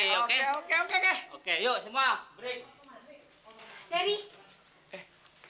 oke yuk semua rick